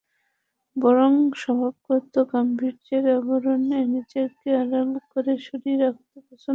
বরং স্বভাবগত গাম্ভীর্যের আবরণে নিজেকে আড়াল করে, সরিয়ে রাখতে পছন্দ করতেন।